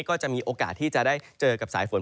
ก็จะมีโอกาสที่จะได้เจอกับสายฝน